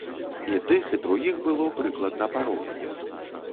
І тых, і другіх было прыкладна пароўну.